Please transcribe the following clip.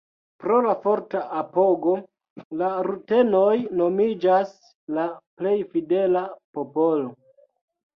Pro la forta apogo la rutenoj nomiĝas la plej fidela popolo.